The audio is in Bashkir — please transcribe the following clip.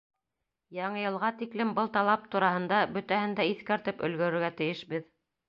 Яңы йылға тиклем был талап тураһында бөтәһен дә иҫкәртеп өлгөрөргә тейешбеҙ.